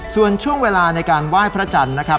ส่วนช่วงเวลาในการไหว้พระจันทร์นะครับ